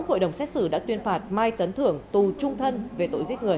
hội đồng xét xử đã tuyên phạt mai tấn thưởng tù trung thân về tội giết người